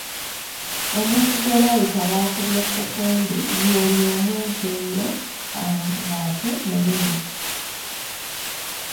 Omuntu gwe bayita Bakubyefukundu ye oyo omumpi ennyo ng’ate munene.